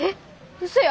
うそや。